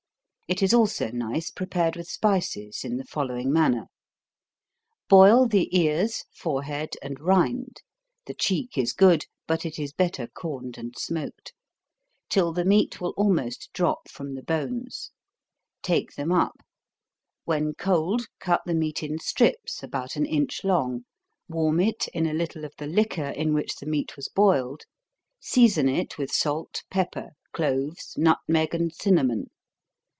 It is also nice prepared with spices in the following manner. Boil the ears, forehead, and rind, (the cheek is good, but it is better corned and smoked,) till the meat will almost drop from the bones; take them up; when cold cut the meat in strips about an inch long, warm it in a little of the liquor in which the meat was boiled, season it with salt, pepper, cloves, nutmeg, and cinnamon.